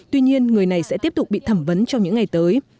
tuy nhiên người này sẽ tiếp tục bị thẩm vấn trong những ngày tới